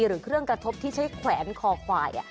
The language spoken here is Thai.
หรือเครื่องกระทบที่ใช้แขวนคอควาย